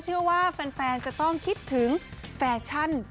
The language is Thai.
เชื่อว่าแฟนจะต้องคิดถึงแฟชั่น